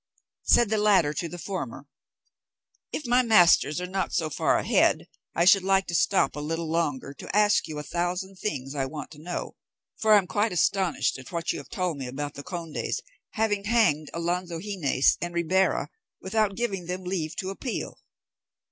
Said the latter to the former, "If my masters were not so far ahead, I should like to stop a little longer to ask you a thousand things I want to know, for I am quite astonished at what you have told me about the conde's having hanged Alonzo Gines and Ribera without giving them leave to appeal."